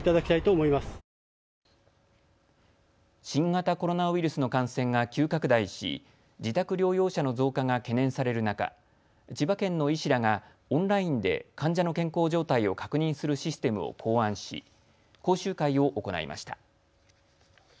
新型コロナウイルスの感染が急拡大し、自宅療養者の増加が懸念される中、千葉県の医師らがオンラインで患者の健康状態を確認するシステムを考案し講習会を行いました。